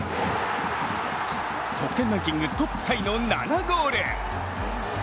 得点ランキングトップタイの７ゴール。